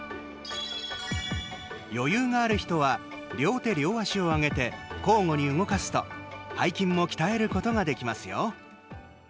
余裕がある人は両手両足を上げて交互に動かすと背筋も鍛えることができますよ。